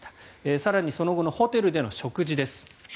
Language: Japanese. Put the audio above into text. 更に、その後のホテルでの食事です。